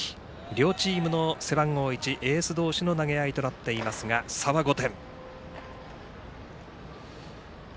両チームの背番号１エース同士の投げ合いとなっていますが差は５点。